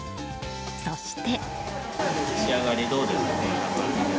そして。